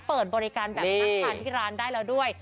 เปิดบริการแบบนั่งทานที่ร้านได้แล้วด้วย